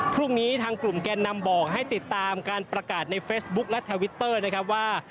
พรุ่งนี้ทางกลุ่มแกนนำบอกให้ติดตามการประกาศในเฟซบุ๊คและทวิตเตอร์นะครับว่า